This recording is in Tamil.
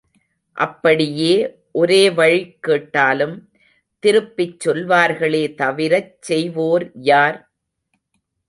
அப்படியே ஒரே வழிக் கேட்டாலும் திருப்பிச் சொல்வார்களே தவிரச் செய்வோர் யார்?